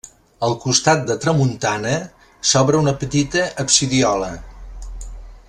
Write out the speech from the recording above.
Al costat de tramuntana s'obre una petita absidiola.